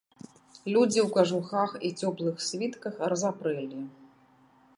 Людзі ў кажухах і цёплых світках разапрэлі.